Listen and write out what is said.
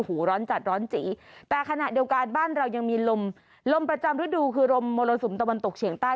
ร้อนจัดร้อนจีแต่ขณะเดียวกันบ้านเรายังมีลมลมประจำฤดูคือลมมรสุมตะวันตกเฉียงใต้